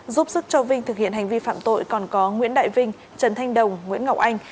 giúp sức cho vinh thực hiện hành vi phạm tội còn có nguyễn đại vinh trần thanh đồng nguyễn ngọc anh